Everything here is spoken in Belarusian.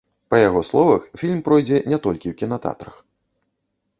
Па яго словах, фільм пройдзе не толькі ў кінатэатрах.